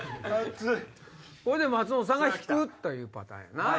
これで松本さんが引くというパターンやな。